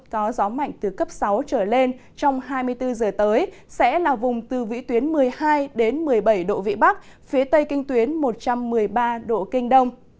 có gió mạnh từ cấp sáu trở lên trong hai mươi bốn giờ tới sẽ là vùng từ vĩ tuyến một mươi hai một mươi bảy độ vị bắc phía tây kinh tuyến một trăm một mươi ba độ kinh đông